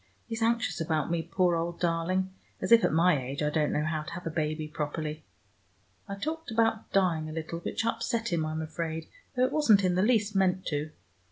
He's anxious about me, poor old darling, as if at my age I didn't know how to have a baby properly. I talked about dying a little, which upset him, I'm afraid, though it wasn't in the least meant to.